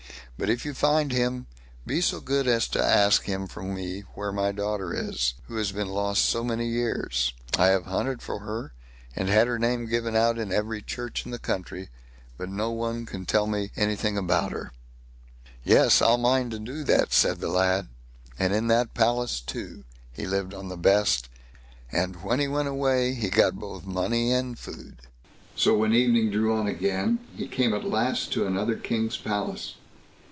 But if you find him, be so good as to ask him from me where my daughter is, who has been lost so many years. I have hunted for her, and had her name given out in every church in the country, but no one can tell me anything about her." "Yes, I'll mind and do that", said the lad; and in that palace too he lived on the best, and when he went away he got both money and food. So when evening drew on again he came at last to another king's palace.